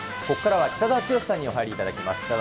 ここからは北澤豪さんにお入りいただきます。